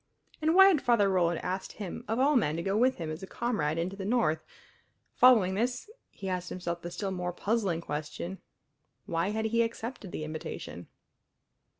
And why had Father Roland asked him of all men to go with him as a comrade into the North? Following this he asked himself the still more puzzling question: Why had he accepted the invitation?